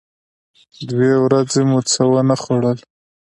دوې ورځې مو څه و نه خوړل.